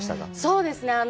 そうですね。